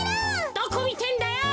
どこみてんだよ！